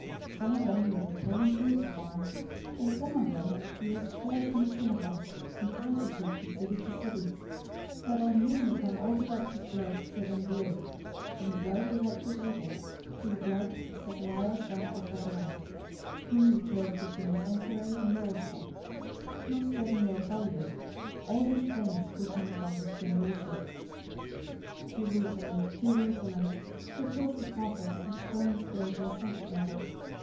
Some of them you will kill and crucify; and some of them you will scourge in your synagogues, and persecute from city to city; 023:035 that on you may come all the righteous blood shed on the earth, from the blood of righteous Abel to the blood of Zachariah son of Barachiah, whom you killed between the sanctuary and the altar. 023:036 Most certainly I tell you, all these things will come upon this generation. 023:037 "Jerusalem, Jerusalem, who kills the prophets, and stones those who are sent to her!